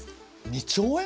２兆円！？